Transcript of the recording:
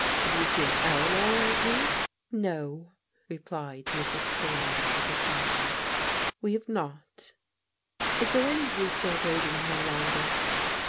Have you seen Eleanor lately?" " No," replied Mrs. Trelawney with a sigh, " we have not." " Is there any use your waiting here longer?